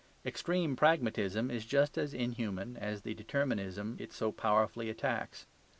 Extreme pragmatism is just as inhuman as the determinism it so powerfully attacks.